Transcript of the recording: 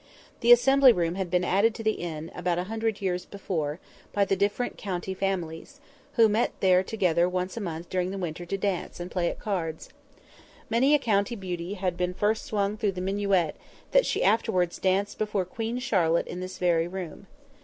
The Assembly Room had been added to the inn, about a hundred years before, by the different county families, who met together there once a month during the winter to dance and play at cards. Many a county beauty had first swung through the minuet that she afterwards danced before Queen Charlotte in this very room.